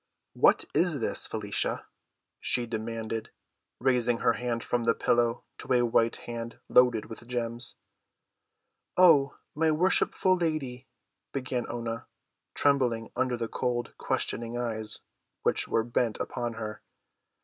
"What is this, Felicia?" she demanded, raising her head from the pillow to a white hand loaded with gems. "Oh, my worshipful lady," began Oonah, trembling under the cold, questioning eyes which were bent upon her.